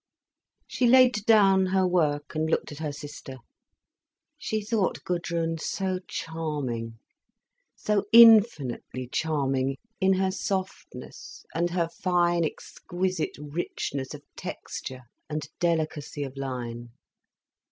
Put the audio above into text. She laid down her work and looked at her sister. She thought Gudrun so charming, so infinitely charming, in her softness and her fine, exquisite richness of texture and delicacy of line.